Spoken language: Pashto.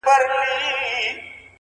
• ښه او بد د قاضي ټول ورته عیان سو,